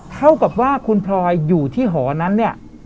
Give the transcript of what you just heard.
เท่ากับว่าคุณพลอยอยู่ที่หอนั้นเนี่ย